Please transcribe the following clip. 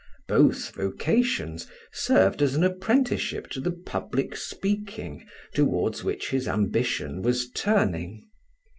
Both vocations served as an apprenticeship to the public speaking toward which his ambition was turning.